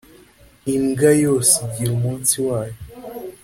imbwa yose igira umunsi wayo